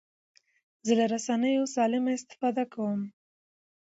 زه له رسنیو سالمه استفاده کوم.